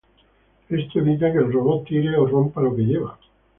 Esto evita que el robot tire o rompa lo que lleva.